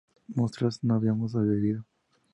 nosotras no habíamos bebido